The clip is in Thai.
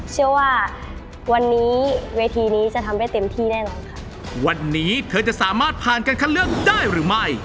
เชื่อว่าวันนี้เวทีนี้จะทำได้เต็มที่แน่นอนค่ะวันนี้เธอจะสามารถผ่านการคัดเลือกได้หรือไม่